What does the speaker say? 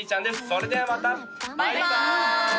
それではまたバイバーイ！